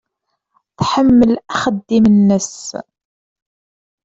Tḥemmel axeddim-nnes.